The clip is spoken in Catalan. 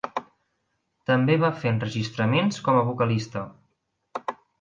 També va fer enregistraments com a vocalista.